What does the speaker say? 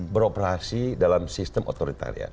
beroperasi dalam sistem otoritarian